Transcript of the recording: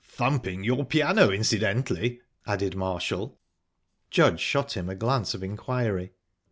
"Thumping your piano, incidentally," added Marshall. Judge shot him a glance of inquiry.